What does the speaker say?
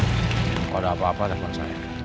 tidak ada apa apa telepon saya